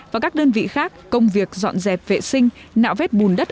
và các đơn vị khác công việc dọn dẹp vệ sinh nạo vét bùn đất